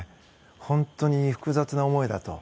本当に複雑な思いだと。